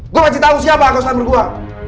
gua masih tahu siapa kau selama berdua